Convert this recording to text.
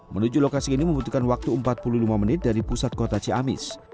menuju lokasi ini membutuhkan waktu empat puluh lima menit dari pusat kota ciamis